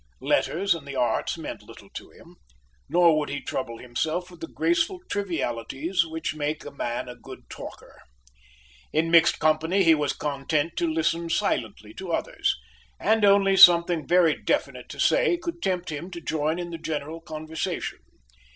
Letters and the arts meant little to him. Nor would he trouble himself with the graceful trivialities which make a man a good talker. In mixed company he was content to listen silently to others, and only something very definite to say could tempt him to join in the general conversation.